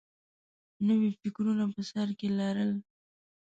نوي فکرونه په سر کې لرل